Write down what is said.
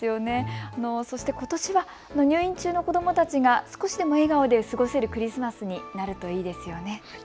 そしてことしは入院中の子どもたちが少しでも笑顔で過ごせるクリスマスになるといいですよね。